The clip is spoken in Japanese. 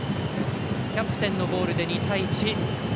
キャプテンのゴールで２対１。